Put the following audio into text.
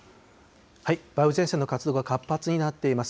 梅雨前線の活動が活発になっています。